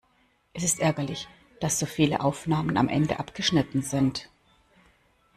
Es ist ärgerlich, dass so viele Aufnahmen am Ende abgeschnitten sind.